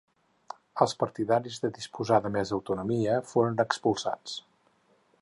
Els partidaris de disposar de més autonomia foren expulsats.